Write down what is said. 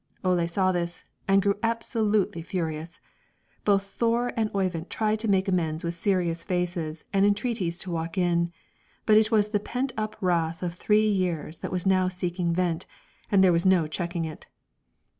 Ole saw this, and grew absolutely furious. Both Thore and Oyvind tried to make amends with serious faces and entreaties to walk in; but it was the pent up wrath of three years that was now seeking vent, and there was no checking it.